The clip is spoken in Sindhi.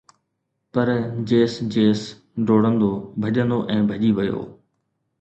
پر جيس جيس ڊوڙندو، ڀڄندو ۽ ڀڄي ويو